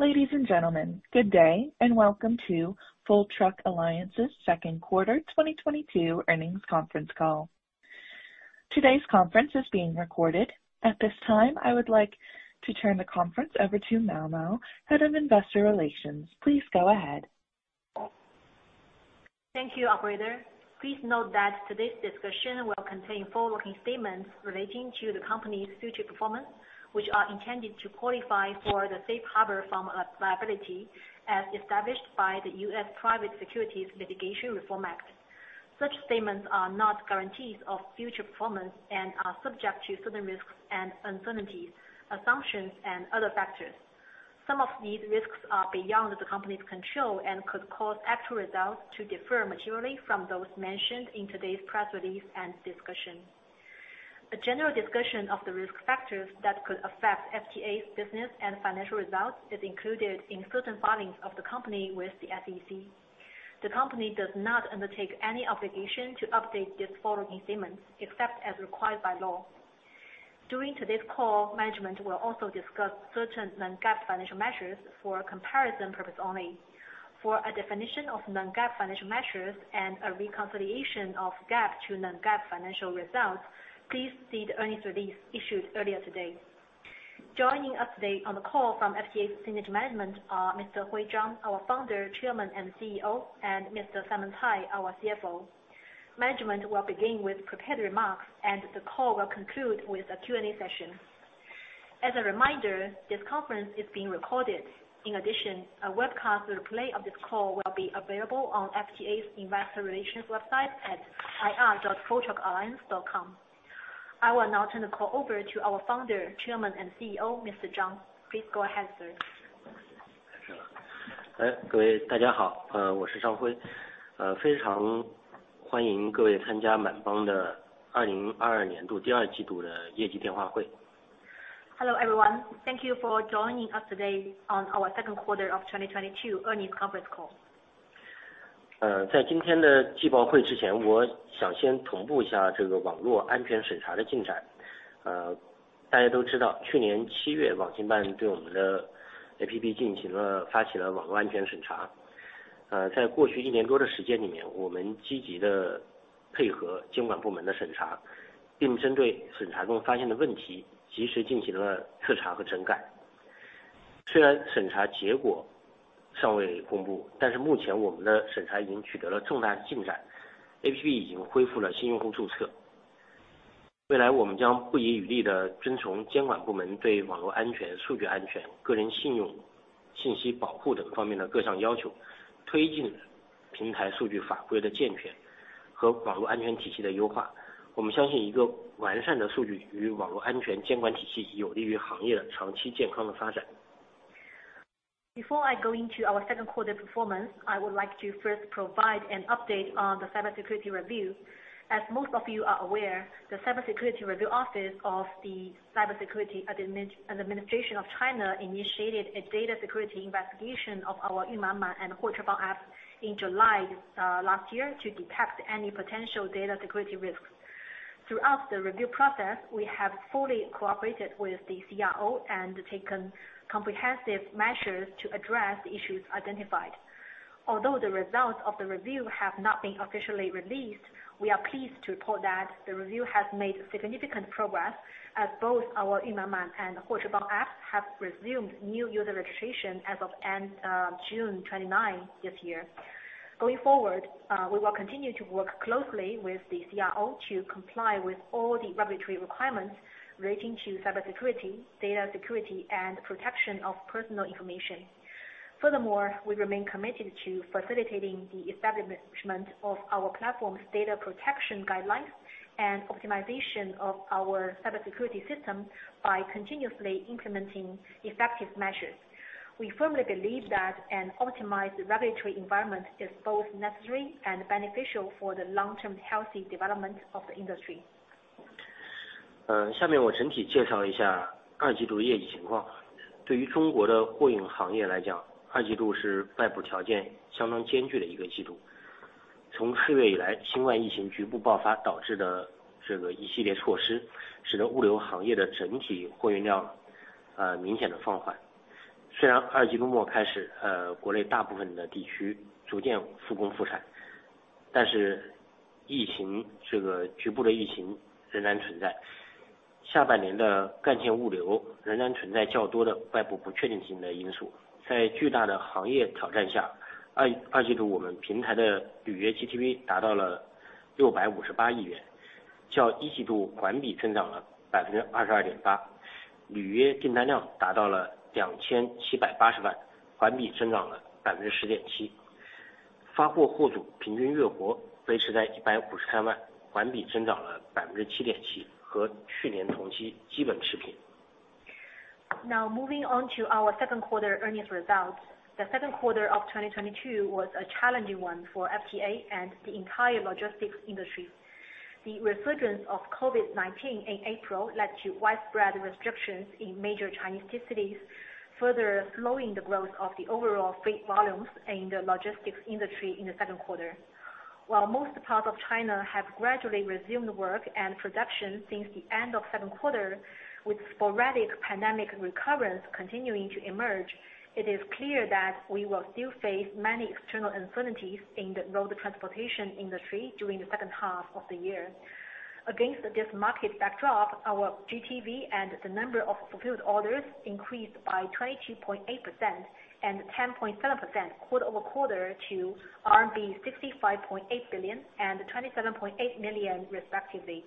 Ladies and gentlemen, good day and welcome to Full Truck Alliance's Second Quarter 2022 Earnings Conference Call. Today's conference is being recorded. At this time, I would like to turn the conference over to Mao Mao, Head of Investor Relations. Please go ahead. Thank you, operator. Please note that today's discussion will contain forward-looking statements relating to the company's future performance, which are intended to qualify for the safe harbor from liability as established by the U.S. Private Securities Litigation Reform Act. Such statements are not guarantees of future performance and are subject to certain risks and uncertainties, assumptions and other factors. Some of these risks are beyond the company's control and could cause actual results to differ materially from those mentioned in today's press release and discussion. A general discussion of the risk factors that could affect FTA's business and financial results is included in certain filings of the company with the SEC. The company does not undertake any obligation to update these forward-looking statements, except as required by law. During today's call, management will also discuss certain non-GAAP financial measures for comparison purpose only. For a definition of non-GAAP financial measures and a reconciliation of GAAP to non-GAAP financial results, please see the earnings release issued earlier today. Joining us today on the call from FTA's senior management are Mr. Hui Zhang, our Founder, Chairman and CEO, and Mr. Simon Cai, our CFO. Management will begin with prepared remarks and the call will conclude with a Q&A session. As a reminder, this conference is being recorded. In addition, a webcast replay of this call will be available on FTA's investor relations website at ir.fulltruckalliance.com. I will now turn the call over to our Founder, Chairman and CEO, Mr. Zhang. Please go ahead, sir. Hello, everyone. Thank you for joining us today on our Second Quarter of 2022 Earnings Conference Call. Before I go into our second quarter performance, I would like to first provide an update on the cybersecurity review. As most of you are aware, the Cybersecurity Review Office of the Cyberspace Administration of China initiated a data security investigation of our Yunmanman and Huochebang apps in July, last year to detect any potential data security risks. Throughout the review process, we have fully cooperated with the CRO and taken comprehensive measures to address the issues identified. Although the results of the review have not been officially released, we are pleased to report that the review has made significant progress as both our Yunmanman and Huochebang apps have resumed new user registration as of end June 29 this year. Going forward, we will continue to work closely with the CRO to comply with all the regulatory requirements relating to cybersecurity, data security and protection of personal information. Furthermore, we remain committed to facilitating the establishment of our platform's data protection guidelines and optimization of our cybersecurity system by continuously implementing effective measures. We firmly believe that an optimized regulatory environment is both necessary and beneficial for the long-term healthy development of the industry. Now moving on to our second quarter earnings results. The second quarter of 2022 was a challenging one for FTA and the entire logistics industry. The resurgence of COVID-19 in April led to widespread restrictions in major Chinese cities. Further slowing the growth of the overall freight volumes in the logistics industry in the second quarter. While most parts of China have gradually resumed work and production since the end of second quarter, with sporadic pandemic recurrence continuing to emerge, it is clear that we will still face many external uncertainties in the road transportation industry during the second half of the year. Against this market backdrop, our GTV and the number of fulfilled orders increased by 22.8% and 10.7% quarter-over-quarter to RMB 65.8 billion and 27.8 million respectively.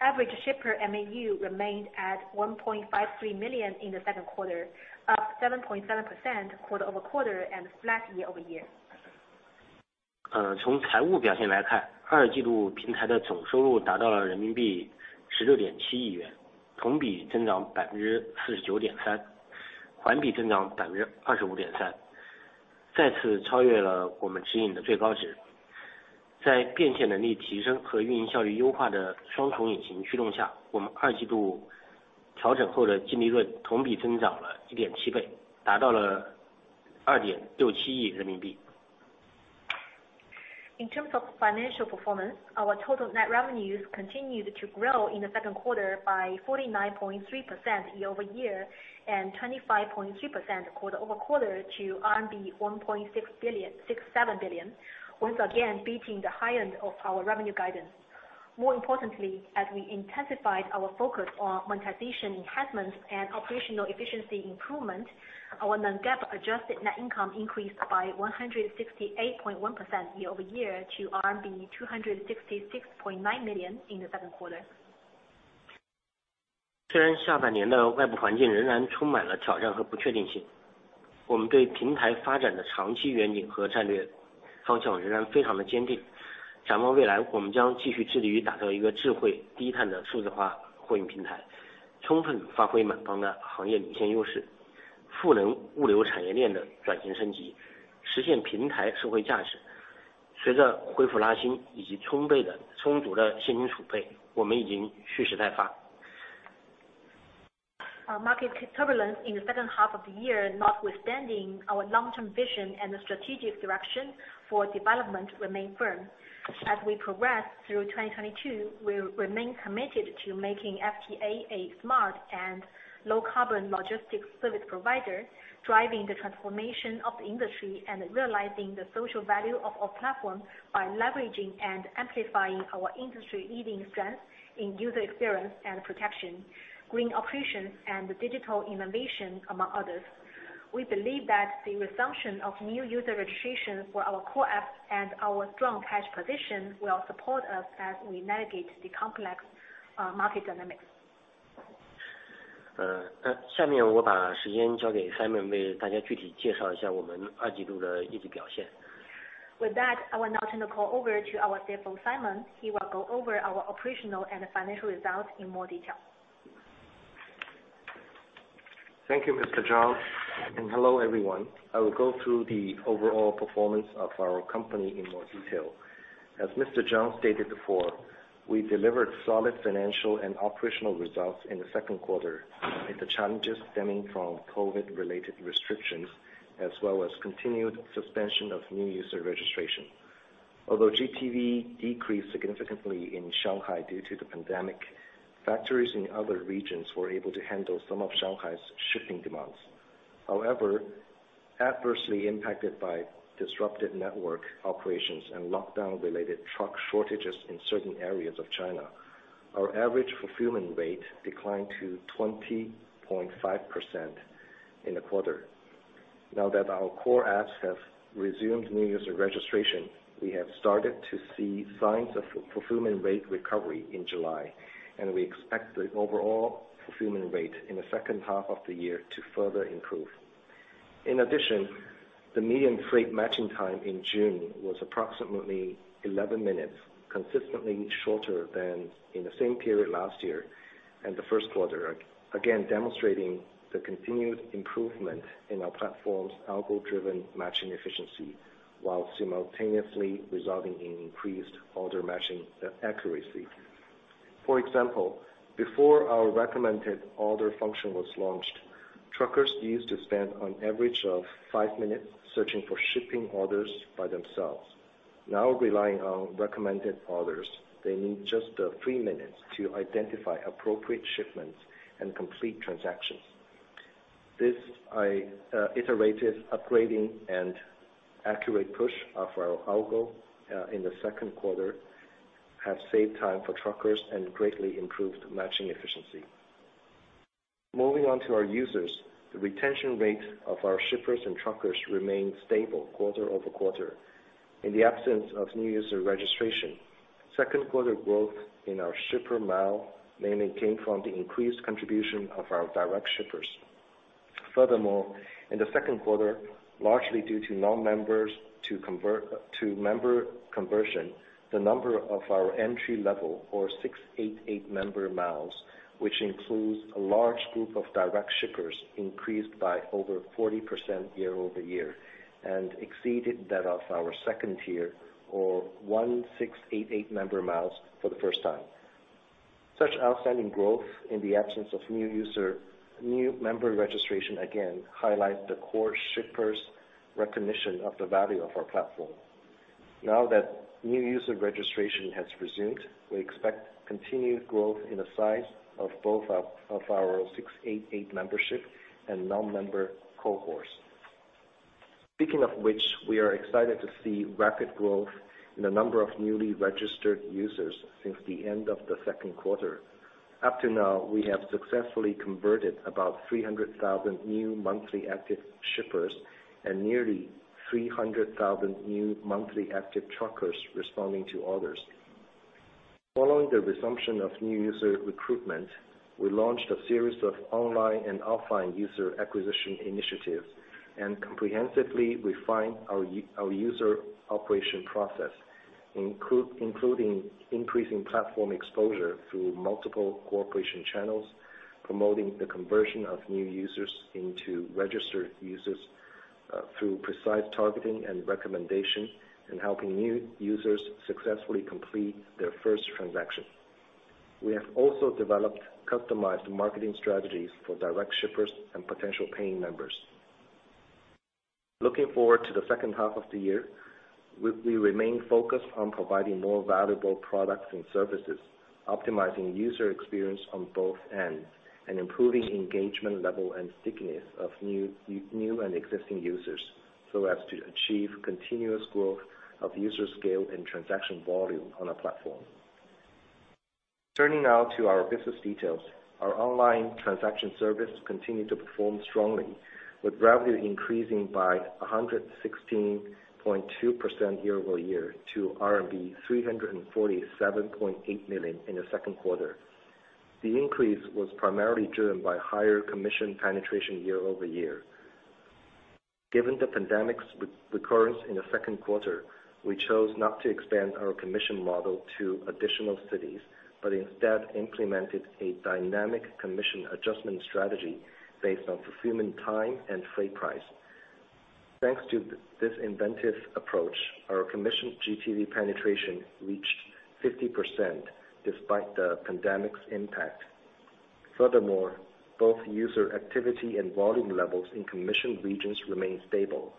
Average shipper MAU remained at 1.53 million in the second quarter, up 7.7% quarter-over-quarter and flat year-over-year. In terms of financial performance, our total net revenues continued to grow in the second quarter by 49.3% year-over-year and 25.3% quarter-over-quarter to RMB 1.67 billion, once again, beating the high end of our revenue guidance. More importantly, as we intensified our focus on monetization enhancements and operational efficiency improvement, our non-GAAP Adjusted Net Income increased by 168.1% year-over-year to RMB 266.9 million in the second quarter. Market turbulence in the second half of the year notwithstanding, our long-term vision and the strategic direction for development remain firm. As we progress through 2022, we remain committed to making FTA a smart and low-carbon logistics service provider, driving the transformation of the industry and realizing the social value of our platform by leveraging and amplifying our industry-leading strength in user experience and protection, green operations, and digital innovation, among others. We believe that the resumption of new user registration for our core apps and our strong cash position will support us as we navigate the complex market dynamics. With that, I will now turn the call over to our CFO, Simon. He will go over our operational and financial results in more detail. Thank you, Mr. Zhang, and hello, everyone. I will go through the overall performance of our company in more detail. As Mr. Zhang stated before, we delivered solid financial and operational results in the second quarter amid the challenges stemming from COVID-related restrictions, as well as continued suspension of new user registration. Although GTV decreased significantly in Shanghai due to the pandemic, factories in other regions were able to handle some of Shanghai's shipping demands. However, adversely impacted by disrupted network operations and lockdown-related truck shortages in certain areas of China, our average fulfillment rate declined to 20.5% in the quarter. Now that our core apps have resumed new user registration, we have started to see signs of fulfillment rate recovery in July, and we expect the overall fulfillment rate in the second half of the year to further improve. In addition, the median freight matching time in June was approximately 11 minutes, consistently shorter than in the same period last year and the first quarter, again, demonstrating the continued improvement in our platform's algo-driven matching efficiency while simultaneously resulting in increased order matching accuracy. For example, before our recommended order function was launched, truckers used to spend an average of five minutes searching for shipping orders by themselves. Now relying on recommended orders, they need just three minutes to identify appropriate shipments and complete transactions. This iterative upgrading and accurate push of our algo in the second quarter have saved time for truckers and greatly improved matching efficiency. Moving on to our users, the retention rate of our shippers and truckers remained stable quarter-over-quarter. In the absence of new user registration, second quarter growth in our shipper MAU mainly came from the increased contribution of our direct shippers. Furthermore, in the second quarter, largely due to non-member to member conversion, the number of our entry-level or 688 member MAUs, which includes a large group of direct shippers, increased by over 40% year-over-year and exceeded that of our second-tier or 1688 member MAUs for the first time. Such outstanding growth in the absence of new user, new member registration again highlight the core shippers recognition of the value of our platform. Now that new user registration has resumed, we expect continued growth in the size of both our 688 membership and non-member cohorts. Speaking of which, we are excited to see rapid growth in the number of newly registered users since the end of the second quarter. Up to now, we have successfully converted about 300,000 new monthly active shippers and nearly 300,000 new monthly active truckers responding to orders. Following the resumption of new user recruitment, we launched a series of online and offline user acquisition initiatives and comprehensively refined our user operation process, including increasing platform exposure through multiple cooperation channels, promoting the conversion of new users into registered users, through precise targeting and recommendation, and helping new users successfully complete their first transaction. We have also developed customized marketing strategies for direct shippers and potential paying members. Looking forward to the second half of the year, we remain focused on providing more valuable products and services, optimizing user experience on both ends, and improving engagement level and stickiness of new and existing users, so as to achieve continuous growth of user scale and transaction volume on our platform. Turning now to our business details. Our online transaction service continued to perform strongly, with revenue increasing by 116.2% year-over-year to RMB 347.8 million in the second quarter. The increase was primarily driven by higher commission penetration year-over-year. Given the pandemic's recurrence in the second quarter, we chose not to expand our commission model to additional cities, but instead implemented a dynamic commission adjustment strategy based on fulfillment time and freight price. Thanks to this inventive approach, our commission GTV penetration reached 50% despite the pandemic's impact. Furthermore, both user activity and volume levels in commission regions remain stable.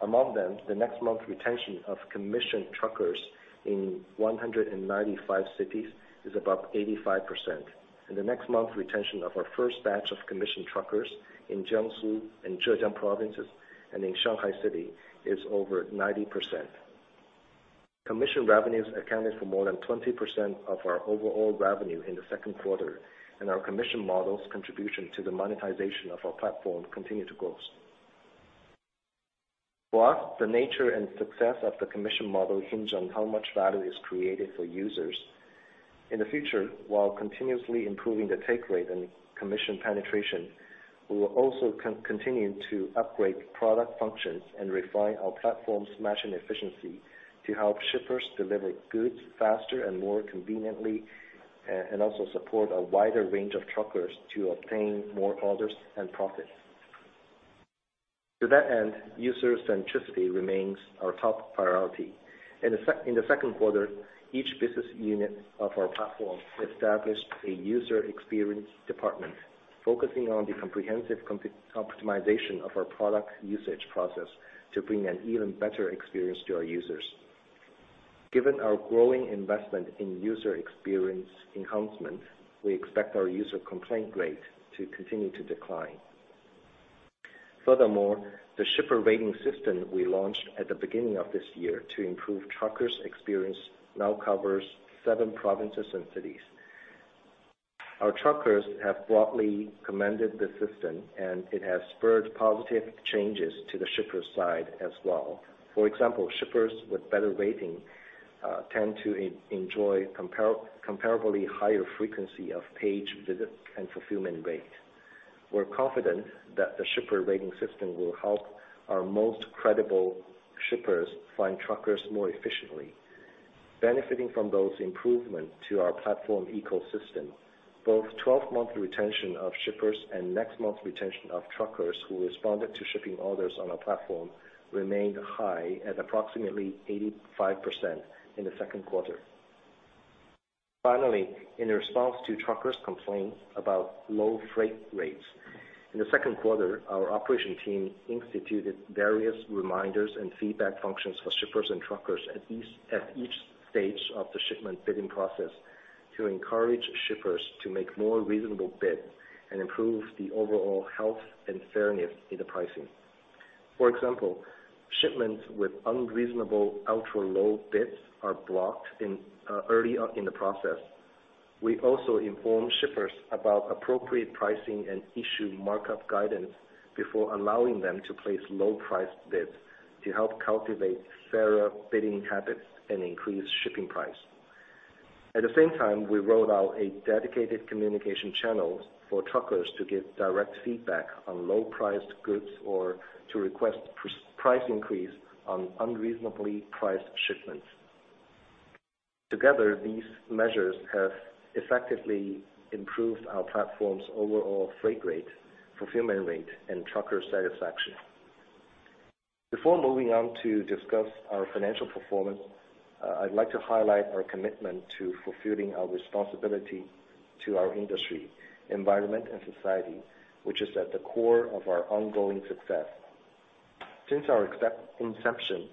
Among them, the next month retention of commissioned truckers in 195 cities is above 85%, and the next month retention of our first batch of commissioned truckers in Jiangsu and Zhejiang provinces and in Shanghai City is over 90%. Commission revenues accounted for more than 20% of our overall revenue in the second quarter, and our commission model's contribution to the monetization of our platform continued to grow. For us, the nature and success of the commission model hinge on how much value is created for users. In the future, while continuously improving the take rate and commission penetration, we will also continue to upgrade product functions and refine our platform's matching efficiency to help shippers deliver goods faster and more conveniently, and also support a wider range of truckers to obtain more orders and profit. To that end, user centricity remains our top priority. In the second quarter, each business unit of our platform established a user experience department focusing on the comprehensive optimization of our product usage process to bring an even better experience to our users. Given our growing investment in user experience enhancement, we expect our user complaint rate to continue to decline. Furthermore, the shipper rating system we launched at the beginning of this year to improve truckers experience now covers seven provinces and cities. Our truckers have broadly commended the system, and it has spurred positive changes to the shipper side as well. For example, shippers with better rating tend to enjoy comparably higher frequency of page visits and fulfillment rate. We're confident that the shipper rating system will help our most credible shippers find truckers more efficiently. Benefiting from those improvements to our platform ecosystem, both twelve-month retention of shippers and next month retention of truckers who responded to shipping orders on our platform remained high at approximately 85% in the second quarter. Finally, in response to truckers complaints about low freight rates, in the second quarter, our operation team instituted various reminders and feedback functions for shippers and truckers at each stage of the shipment bidding process to encourage shippers to make more reasonable bid and improve the overall health and fairness in the pricing. For example, shipments with unreasonable ultra low bids are blocked in early on in the process. We also inform shippers about appropriate pricing and issue markup guidance before allowing them to place low price bids to help cultivate fairer bidding habits and increase shipping price. At the same time, we rolled out a dedicated communication channel for truckers to give direct feedback on low priced goods or to request price increase on unreasonably priced shipments. Together, these measures have effectively improved our platform's overall freight rate, fulfillment rate, and trucker satisfaction. Before moving on to discuss our financial performance, I'd like to highlight our commitment to fulfilling our responsibility to our industry, environment and society, which is at the core of our ongoing success. Since our inception,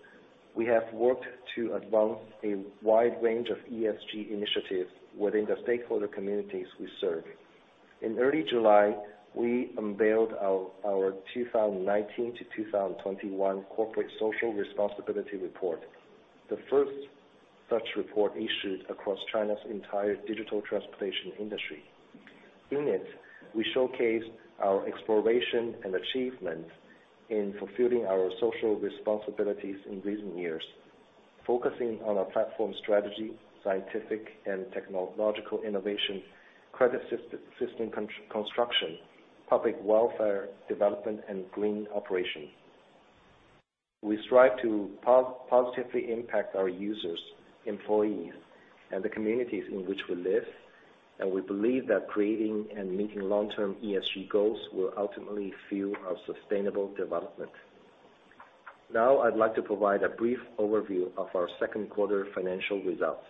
we have worked to advance a wide range of ESG initiatives within the stakeholder communities we serve. In early July, we unveiled our 2019 to 2021 corporate social responsibility report, the first such report issued across China's entire digital transportation industry. In it, we showcase our exploration and achievement in fulfilling our social responsibilities in recent years, focusing on our platform strategy, scientific and technological innovation, credit system construction, public welfare development and green operation. We strive to positively impact our users, employees, and the communities in which we live, and we believe that creating and meeting long-term ESG goals will ultimately fuel our sustainable development. Now, I'd like to provide a brief overview of our second quarter financial results.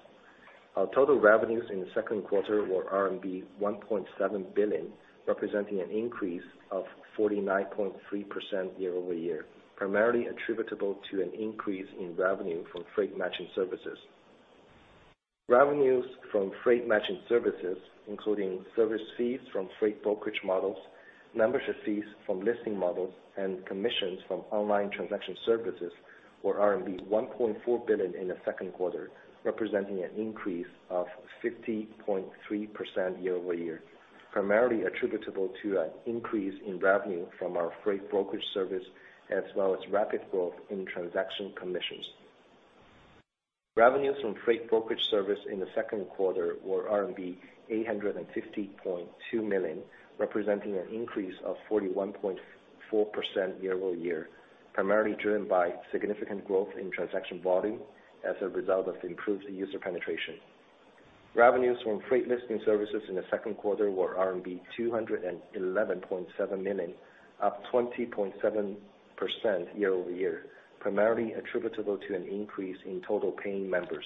Our total revenues in the second quarter were RMB 1.7 billion, representing an increase of 49.3% year-over-year, primarily attributable to an increase in revenue from freight matching services. Revenues from freight matching services, including service fees from freight brokerage models, membership fees from listing models, and commissions from online transaction services were RMB 1.4 billion in the second quarter, representing an increase of 50.3% year-over-year, primarily attributable to an increase in revenue from our freight brokerage service, as well as rapid growth in transaction commissions. Revenues from freight brokerage service in the second quarter were RMB 850.2 million, representing an increase of 41.4% year-over-year, primarily driven by significant growth in transaction volume as a result of improved user penetration. Revenues from freight listing services in the second quarter were RMB 211.7 million, up 20.7% year-over-year, primarily attributable to an increase in total paying members.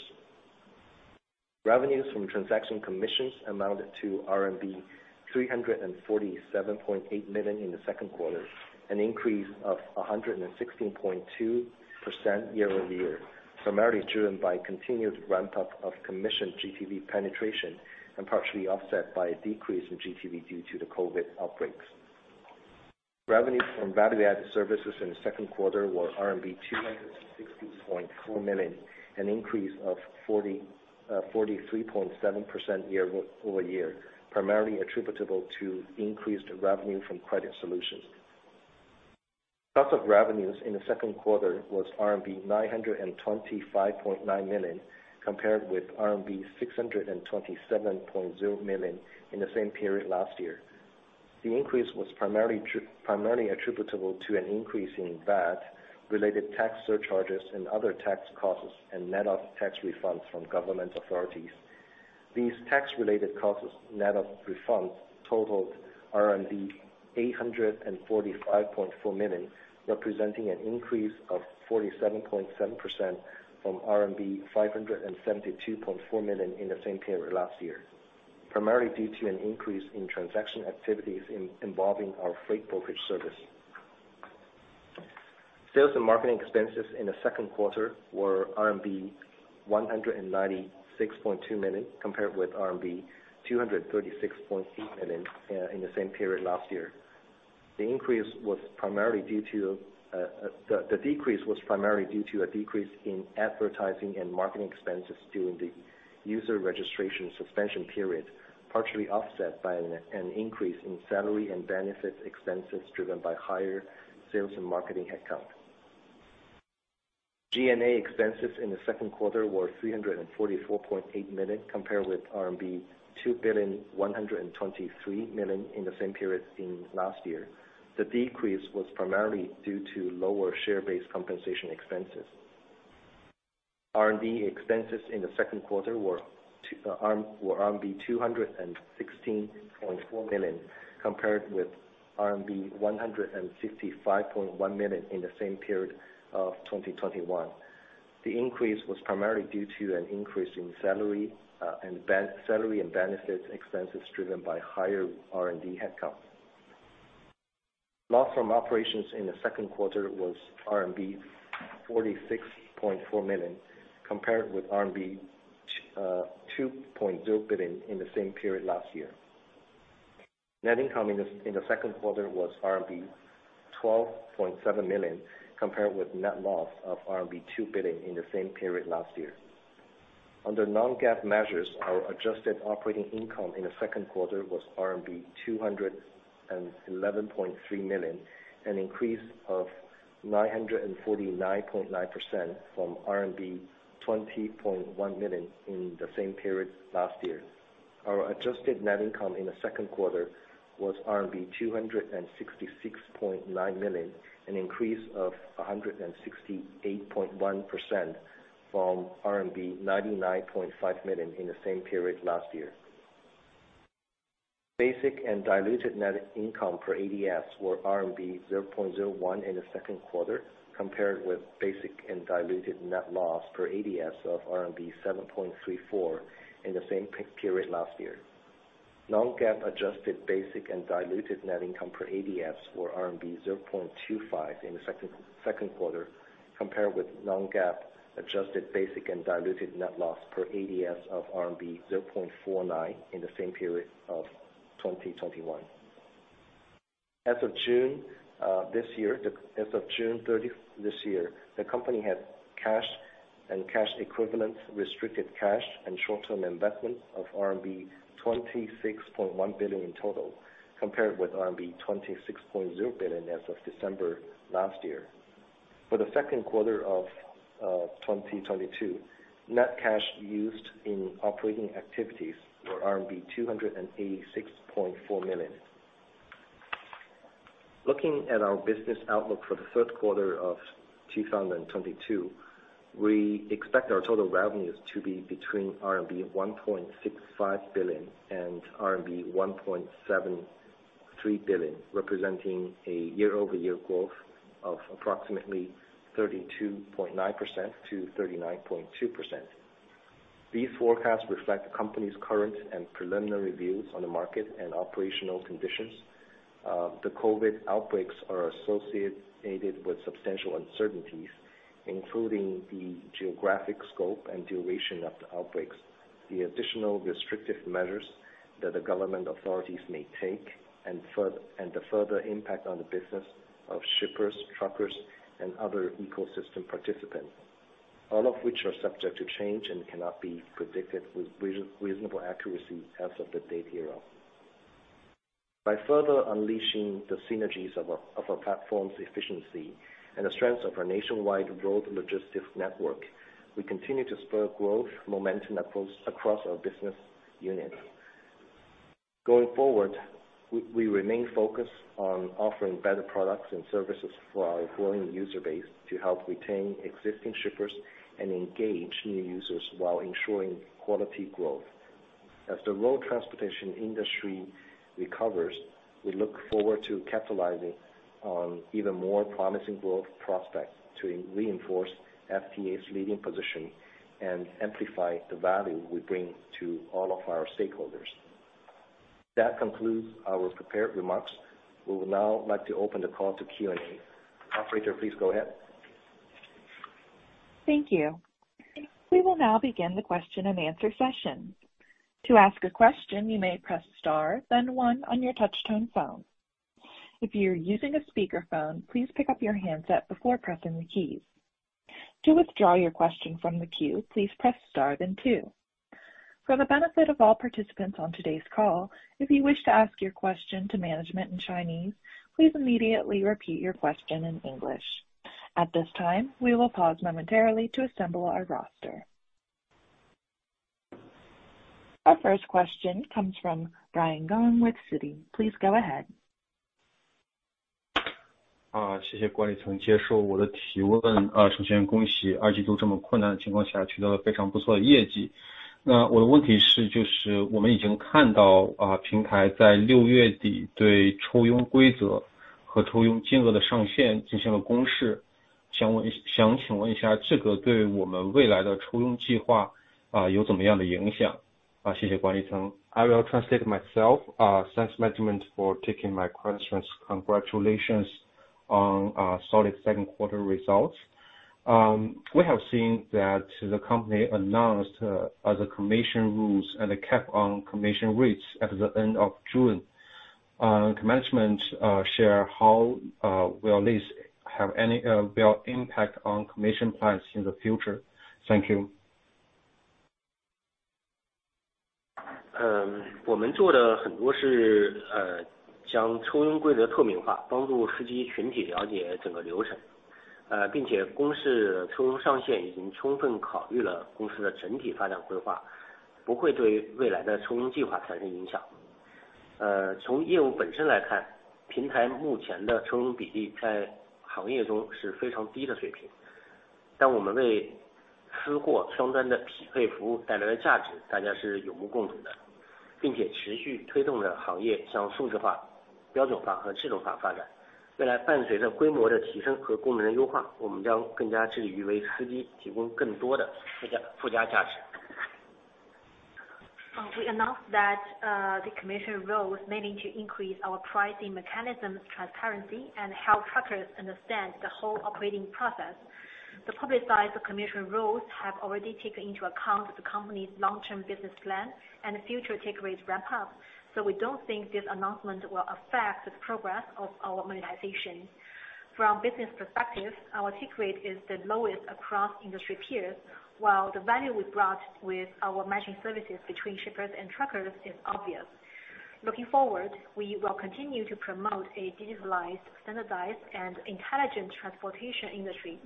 Revenues from transaction commissions amounted to RMB 347.8 million in the second quarter, an increase of 116.2% year-over-year, primarily driven by continued ramp-up of commission GTV penetration and partially offset by a decrease in GTV due to the COVID outbreaks. Revenues from value-added services in the second quarter were RMB 260.4 million, an increase of 43.7% year-over-year, primarily attributable to increased revenue from credit solutions. Cost of revenues in the second quarter was RMB 925.9 million, compared with RMB 627.0 million in the same period last year. The increase was primarily attributable to an increase in VAT-related tax surcharges and other tax costs and net of tax refunds from government authorities. These tax-related costs net of refunds totaled RMB 845.4 million, representing an increase of 47.7% from RMB 572.4 million in the same period last year, primarily due to an increase in transaction activities involving our freight brokerage service. Sales and marketing expenses in the second quarter were RMB 196.2 million, compared with RMB 236.8 million in the same period last year. The decrease was primarily due to a decrease in advertising and marketing expenses during the user registration suspension period, partially offset by an increase in salary and benefit expenses driven by higher sales and marketing headcount. G&A expenses in the second quarter were 344.8 million, compared with RMB 2.123 billion in the same period last year. The decrease was primarily due to lower share-based compensation expenses. R&D expenses in the second quarter were RMB 216.4 million, compared with RMB 165.1 million in the same period of 2021. The increase was primarily due to an increase in salary and benefits expenses driven by higher R&D headcount. Loss from operations in the second quarter was RMB 46.4 million, compared with RMB 2.0 billion in the same period last year. Net income in the second quarter was RMB 12.7 million, compared with net loss of RMB 2 billion in the same period last year. Under non-GAAP measures, our Adjusted Operating Income in the second quarter was RMB 211.3 million, an increase of 949.9% from RMB 20.1 million in the same period last year. Our Adjusted Net Income in the second quarter was RMB 266.9 million, an increase of 168.1% from RMB 99.5 million in the same period last year. Basic and diluted net income per ADS were RMB 0.01 in the second quarter, compared with basic and diluted net loss per ADS of RMB 7.34 in the same period last year. Non-GAAP adjusted basic and diluted net income per ADS were RMB 0.25 in the second quarter, compared with non-GAAP adjusted basic and diluted net loss per ADS of RMB 0.49 in the same period of 2021. As of June 30 this year, the company had cash and cash equivalents, restricted cash and short-term investments of RMB 26.1 billion in total, compared with RMB 26.0 billion as of December last year. For the second quarter of 2022, net cash used in operating activities were RMB 286.4 million. Looking at our business outlook for the third quarter of 2022, we expect our total revenues to be between RMB 1.65 billion and RMB 1.73 billion, representing a year-over-year growth of approximately 32.9% to 39.2%. These forecasts reflect the company's current and preliminary views on the market and operational conditions. The COVID outbreaks are associated with substantial uncertainties, including the geographic scope and duration of the outbreaks, the additional restrictive measures that the government authorities may take, and the further impact on the business of shippers, truckers, and other ecosystem participants, all of which are subject to change and cannot be predicted with reasonable accuracy as of the date hereof. By further unleashing the synergies of our platform's efficiency and the strengths of our nationwide road logistics network, we continue to spur growth momentum across our business units. Going forward, we remain focused on offering better products and services for our growing user base to help retain existing shippers and engage new users while ensuring quality growth. As the road transportation industry recovers, we look forward to capitalizing on even more promising growth prospects to reinforce FTA's leading position and amplify the value we bring to all of our stakeholders. That concludes our prepared remarks. We would now like to open the call to Q&A. Operator, please go ahead. Thank you. We will now begin the question and answer session. To ask a question, you may press star then one on your touch-tone phone. If you're using a speakerphone, please pick up your handset before pressing the keys. To withdraw your question from the queue, please press star then two. For the benefit of all participants on today's call, if you wish to ask your question to management in Chinese, please immediately repeat your question in English. At this time, we will pause momentarily to assemble our roster. Our first question comes from Brian Gong with Citi. Please go ahead. I will translate myself. Thanks management for taking my questions. Congratulations on solid second quarter results. We have seen that the company announced other commission rules and a cap on commission rates at the end of June. Can management share how will this have any real impact on commission plans in the future? Thank you. We announced that the commission rules mainly to increase our pricing mechanisms transparency, and help truckers understand the whole operating process. The publicized commission rules have already taken into account the company's long-term business plan and the future take rate ramp up. We don't think this announcement will affect the progress of our monetization. From business perspective, our take rate is the lowest across industry peers, while the value we brought with our matching services between shippers and truckers is obvious. Looking forward, we will continue to promote a digitalized, standardized and intelligent transportation industry.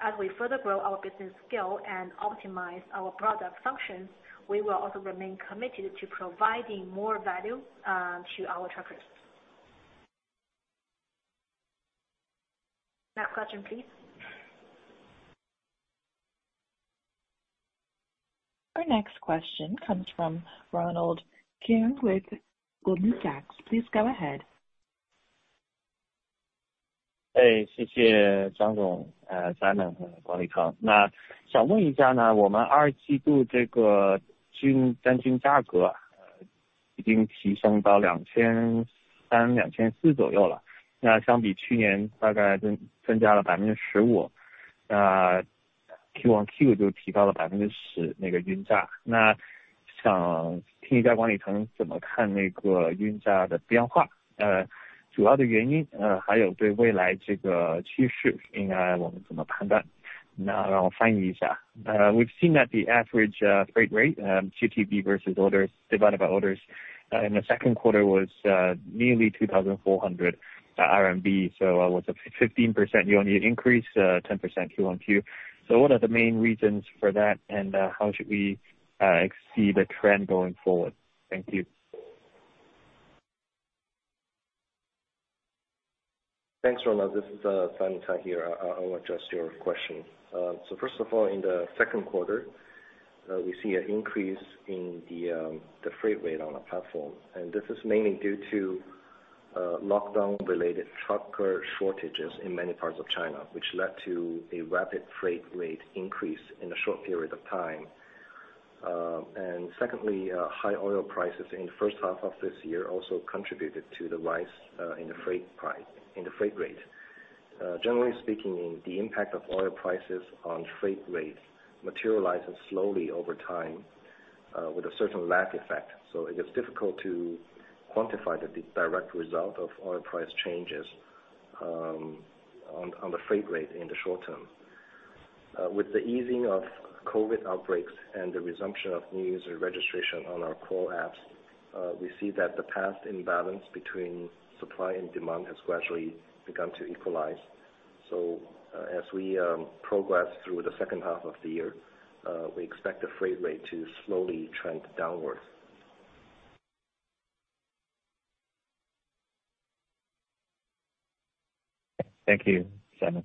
As we further grow our business scale and optimize our product functions, we will also remain committed to providing more value, to our truckers. Next question, please. Our next question comes from Ronald Keung with Goldman Sachs. Please go ahead. We've seen that the average freight rate, GTV versus orders divided by orders, in the second quarter was nearly 2,400 RMB. It was a 15% year-over-year increase, 10% Q-on-Q. What are the main reasons for that and how should we see the trend going forward? Thank you. Thanks, Ronald. This is Simon Cai here. I'll address your question. First of all, in the second quarter, we see an increase in the freight rate on the platform, and this is mainly due to lockdown related trucker shortages in many parts of China, which led to a rapid freight rate increase in a short period of time. Secondly, high oil prices in the first half of this year also contributed to the rise in the freight price, in the freight rate. Generally speaking, the impact of oil prices on freight rate materializes slowly over time with a certain lag effect. It is difficult to quantify the direct result of oil price changes on the freight rate in the short term. With the easing of COVID outbreaks and the resumption of new user registration on our core apps, we see that the past imbalance between supply and demand has gradually begun to equalize. As we progress through the second half of the year, we expect the freight rate to slowly trend downward. Thank you, Simon.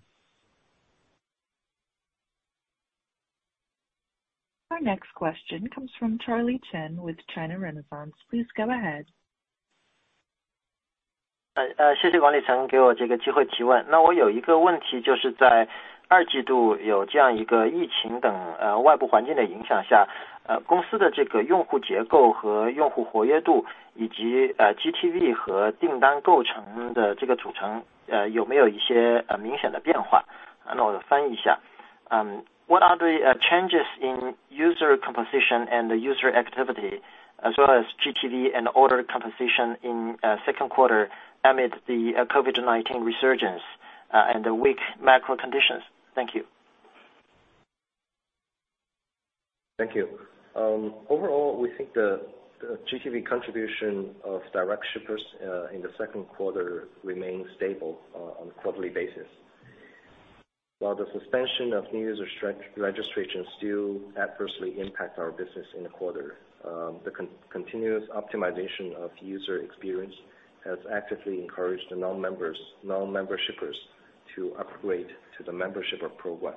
Our next question comes from Charlie Chen with China Renaissance. Please go ahead. What are the changes in user composition and the user activity as well as GTV and order composition in second quarter amid the COVID-19 resurgence and the weak macro conditions? Thank you. Thank you. Overall, we think the GTV contribution of direct shippers in the second quarter remained stable on a quarterly basis. While the suspension of new user registration still adversely impacts our business in the quarter, the continuous optimization of user experience has actively encouraged the non-member shippers to upgrade to the membership program.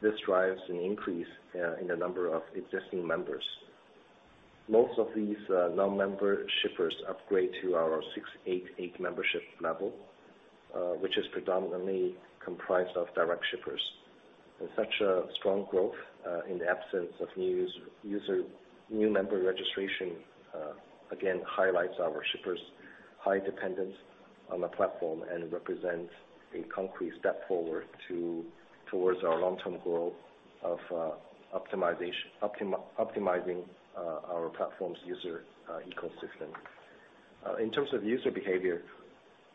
This drives an increase in the number of existing members. Most of these non-member shippers upgrade to our 688 membership level, which is predominantly comprised of direct shippers. Such a strong growth in the absence of new member registration again highlights our shippers high dependence on the platform and represents a concrete step forward towards our long-term goal of optimizing our platform's user ecosystem. In terms of user behavior,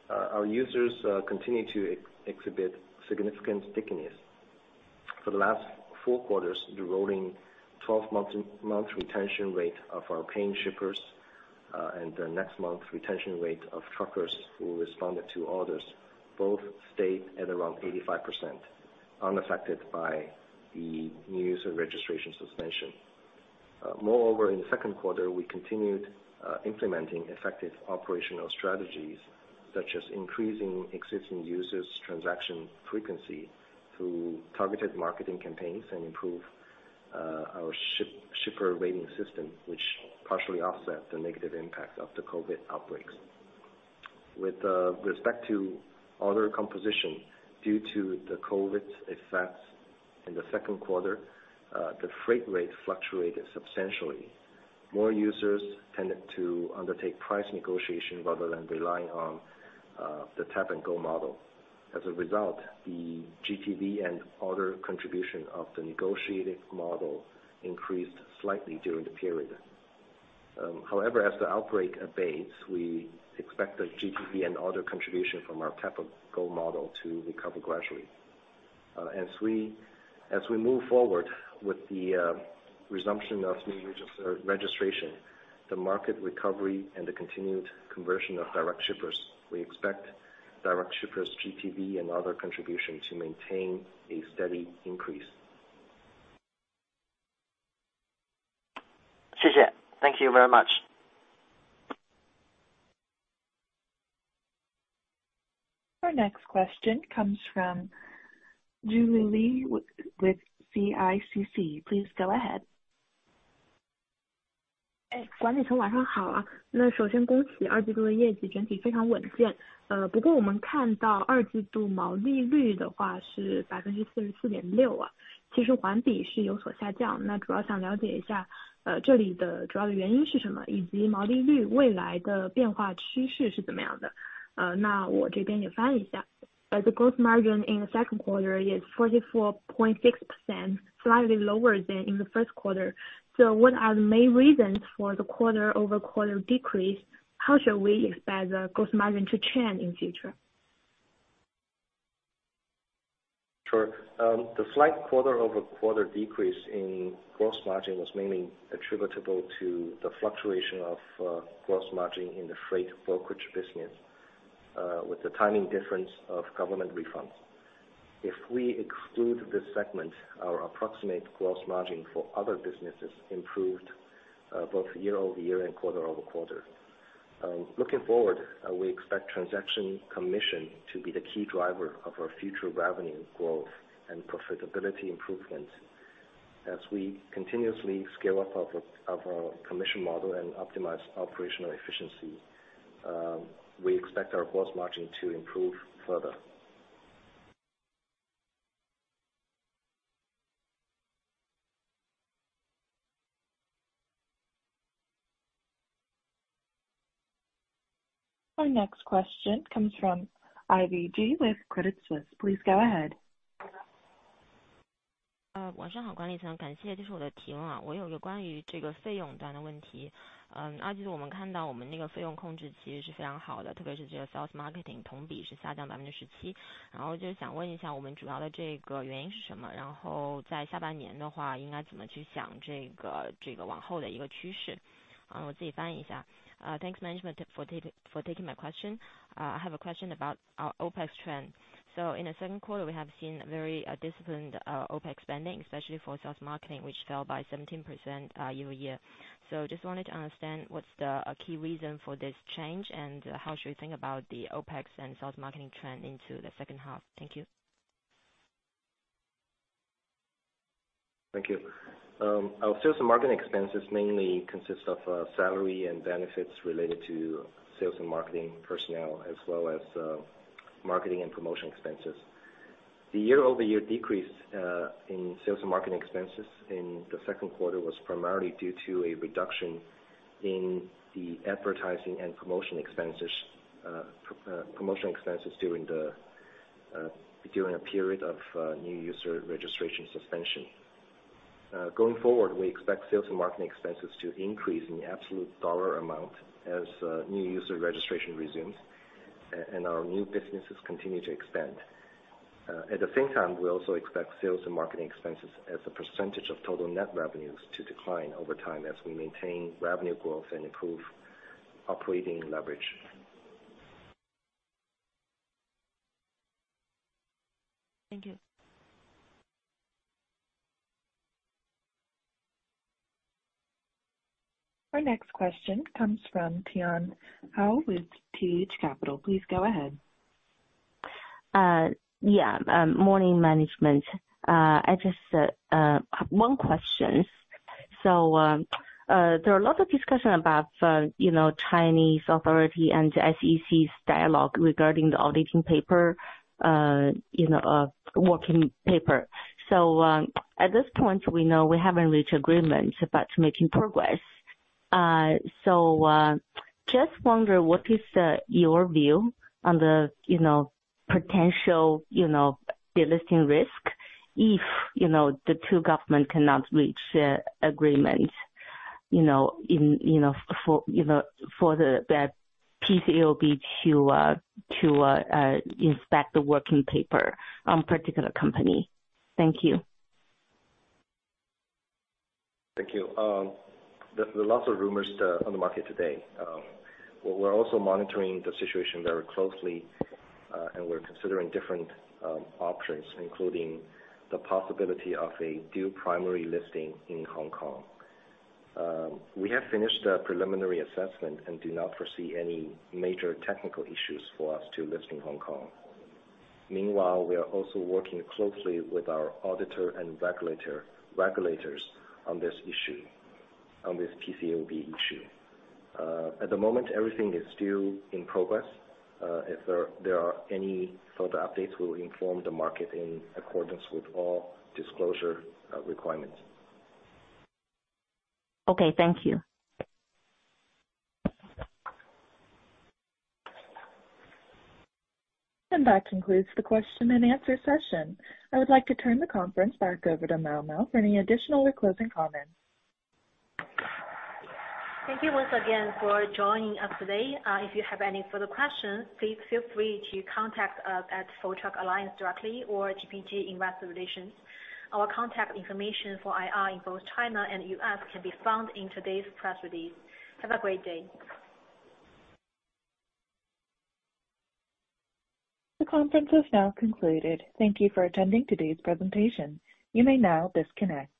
our users continue to exhibit significant stickiness. For the last four quarters, the rolling 12-month retention rate of our paying shippers and the next month retention rate of truckers who responded to orders both stayed at around 85% unaffected by the new user registration suspension. Moreover, in the second quarter, we continued implementing effective operational strategies such as increasing existing users transaction frequency through targeted marketing campaigns and improve our shipper rating system, which partially offset the negative impact of the COVID outbreaks. With respect to order composition, due to the COVID's effects in the second quarter, the freight rate fluctuated substantially. More users tended to undertake price negotiation rather than relying on the tap and go model. As a result, the GTV and order contribution of the negotiated model increased slightly during the period. However, as the outbreak abates, we expect the GTV and order contribution from our tap and go model to recover gradually. As we move forward with the resumption of new user registration, the market recovery and the continued conversion of direct shippers, we expect direct shippers' GTV and order contribution to maintain a steady increase. Thank you very much. Our next question comes from Jiulu Li with CICC. Please go ahead. The gross margin in the second quarter is 44.6%, slightly lower than in the first quarter. What are the main reasons for the quarter-over-quarter decrease? How should we expect the gross margin to trend in future? Sure. The slight quarter-over-quarter decrease in gross margin was mainly attributable to the fluctuation of gross margin in the freight brokerage business with the timing difference of government refunds. If we exclude this segment, our approximate gross margin for other businesses improved both year-over-year and quarter-over-quarter. Looking forward, we expect transaction commission to be the key driver of our future revenue growth and profitability improvements. As we continuously scale up our commission model and optimize operational efficiency, we expect our gross margin to improve further. Our next question comes from Ivy Ji with Credit Suisse. Please go ahead. Thanks, management, for taking my question. I have a question about our Opex trend. In the second quarter, we have seen very disciplined Opex spending, especially for sales marketing, which fell by 17% year-over-year. Just wanted to understand what's the key reason for this change? How should we think about the Opex and sales marketing trend into the second half? Thank you. Thank you. Our sales and marketing expenses mainly consists of salary and benefits related to sales and marketing personnel, as well as marketing and promotion expenses. The year-over-year decrease in sales and marketing expenses in the second quarter was primarily due to a reduction in the advertising and promotion expenses during a period of new user registration suspension. Going forward, we expect sales and marketing expenses to increase in the absolute dollar amount as new user registration resumes and our new businesses continue to expand. At the same time, we also expect sales and marketing expenses as a percentage of total net revenues to decline over time as we maintain revenue growth and improve operating leverage. Thank you. Our next question comes from Tian Hou with TH Capital. Please go ahead. Morning, management. I just have one question. There are a lot of discussions about, you know, Chinese authorities and the SEC's dialogue regarding the audit working papers. At this point, we know we haven't reached an agreement but are making progress. I just wonder what your view is on the potential delisting risk if the two governments cannot reach an agreement for the PCAOB to inspect the working papers of particular companies. Thank you. Thank you. There are lots of rumors on the market today. We're also monitoring the situation very closely, and we're considering different options, including the possibility of a dual primary listing in Hong Kong. We have finished a preliminary assessment and do not foresee any major technical issues for us to list in Hong Kong. Meanwhile, we are also working closely with our auditor and regulators on this issue, on this PCAOB issue. At the moment, everything is still in progress. If there are any further updates, we will inform the market in accordance with all disclosure requirements. Okay, thank you. That concludes the question and answer session. I would like to turn the conference back over to Mao Mao for any additional or closing comments. Thank you once again for joining us today. If you have any further questions, please feel free to contact us at Full Truck Alliance directly or ICR Investor Relations. Our contact information for IR in both China and U.S. can be found in today's press release. Have a great day. The conference is now concluded. Thank you for attending today's presentation. You may now disconnect.